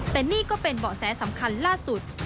แต่นี่ก็เป็นเบาะแสสำคัญล่าสุด